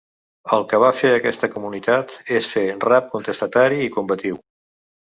El que va fer aquesta comunitat és fer rap contestatari i combatiu.